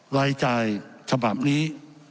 รายจ่ายสมัครนี้